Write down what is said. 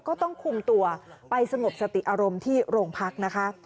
ก็ต้องคุมตัวไปสงบสติอารมณ์ที่โรงพักนะคะ